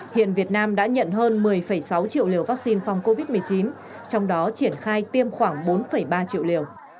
hiện việt nam đã nhận hơn một mươi sáu triệu liều vaccine phòng covid một mươi chín trong đó triển khai tiêm khoảng bốn ba triệu liều